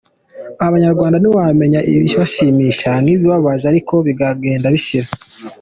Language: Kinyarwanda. Abanyarwanda ntiwamenya ikibashimishije n’ikibabaje, ariko bizagenda bishira.